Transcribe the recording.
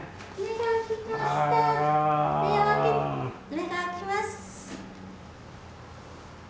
目が開きます。